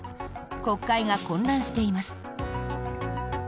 国会が混乱しています。